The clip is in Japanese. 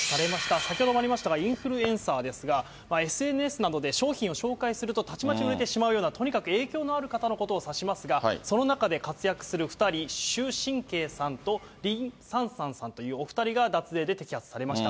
先ほどもありましたが、インフルエンサーですが、ＳＮＳなどで商品を紹介すると、たちまち売れてしまうような、とにかく影響のある方のことを指しますが、その中で活躍する２人、朱しん慧さんと林珊珊さんという、お２人が脱税で摘発されました。